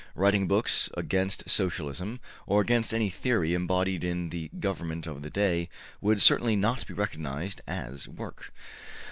Writing books against Socialism, or against any theory embodied in the government of the day, would certainly not be recognized as work.